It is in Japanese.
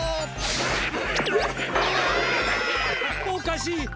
おかしい！